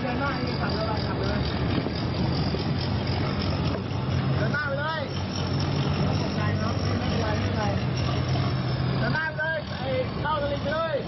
เดินหน้าไปเลยเข้าทางนี้ไปด้วย